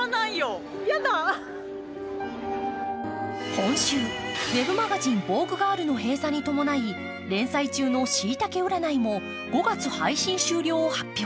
今秋、ウェブマガジン「ＶＯＧＵＥ」の終了にともＪ内、連載中のしいたけ占いも５月配信終了を発表。